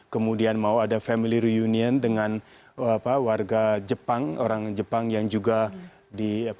kemudian mau ada family reunion dengan warga jepang orang jepang yang juga di